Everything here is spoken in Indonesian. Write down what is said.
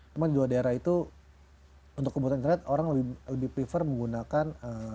cuma di dua daerah itu untuk kebutuhan internet orang lebih prefer menggunakan